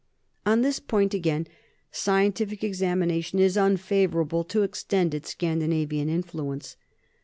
On this point again scientific examination is unfavorable to ex tended Scandinavian influence.